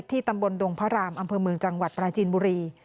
ตำบลดงพระรามอำเภอเมืองจังหวัดปราจีนบุรี